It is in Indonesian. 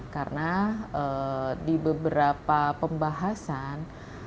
karena di beberapa pembahasan